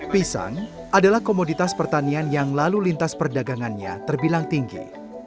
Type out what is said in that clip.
pisang adalah komoditas pertanian yang lalu lintas perdagangannya terbilang tinggi